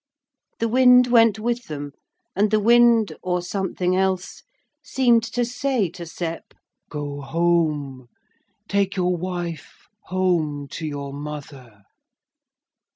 The wind went with them, and the wind, or something else, seemed to say to Sep, 'Go home, take your wife home to your mother.'